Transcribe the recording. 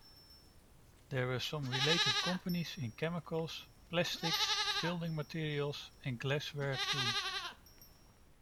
There are some related companies in chemicals, plastics, building materials and glass ware, too.